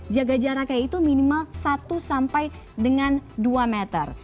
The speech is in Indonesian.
jaga jaraknya itu minimal satu sampai dengan dua meter